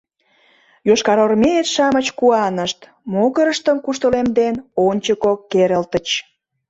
Йошкарармеец-шамыч куанышт, могырыштым куштылемден, ончыко керылтыч...